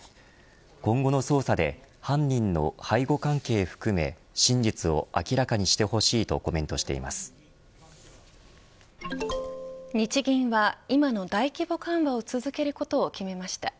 今後の捜査で犯人の背後関係含め真実を明らかにしてほしい日銀は、今の大規模緩和を続けることを決めました。